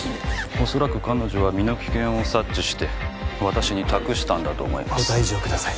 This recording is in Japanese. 恐らく彼女は身の危険を察知して私に託したんだと思いますご退場ください